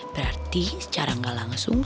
berarti secara nggak langsung